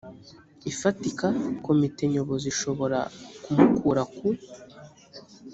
ifatika komite nyobozi ishobora kumukura ku